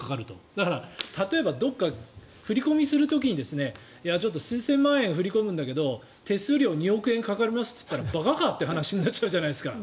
だから例えばどこか振り込みする時にちょっと数千万円振り込むんだけど手数料２億円かかりますとなったら馬鹿かという話になるじゃないですか。